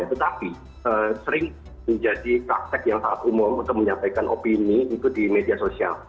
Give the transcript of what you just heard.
tetapi sering menjadi praktek yang sangat umum untuk menyampaikan opini itu di media sosial